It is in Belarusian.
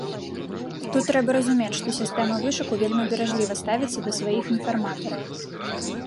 Тут трэба разумець, што сістэма вышуку вельмі беражліва ставіцца да сваіх інфарматараў.